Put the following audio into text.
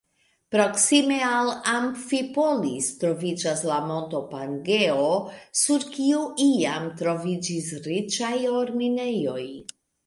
Proksime de Amfipolis troviĝas la monto Pangeo, sur kiu iam troviĝis riĉaj or-minejoj.